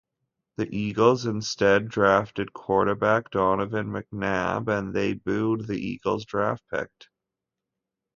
The Eagles instead drafted quarterback Donovan McNabb and they booed the Eagles draft pick.